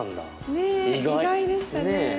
ねえ意外でしたね。